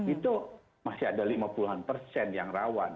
itu masih ada lima puluh an persen yang rawan